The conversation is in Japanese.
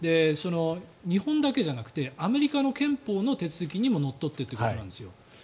日本だけじゃなくてアメリカの憲法の手続きにものっとってということなんです。